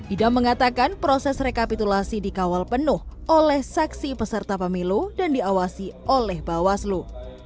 idam mengatakan proses rekapitulasi dikawal penuh oleh saksi peserta pemilu dan diawasi oleh bawaslu